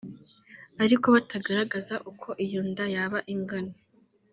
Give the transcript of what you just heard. ariko batagaragaza uko iyo nda yaba ingana